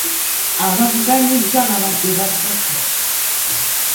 Abavuganyizza babadde basatu .